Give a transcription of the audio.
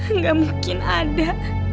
enggak mungkin ada